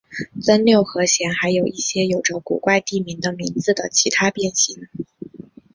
增六和弦还有一些有着古怪地名的名字的其他变形。